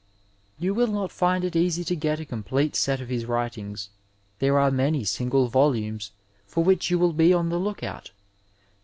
You will not find it easy to get a complete set of his writings. There are many smgle volumes for which you will be on the look out.